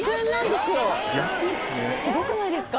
すごくないですか？